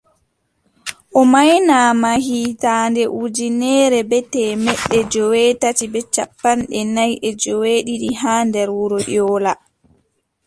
O maynaama hitaande ujineere bee temeɗɗe joweetati bee cappanɗe nay e joweeɗiɗi haa nder wuro Ƴoola.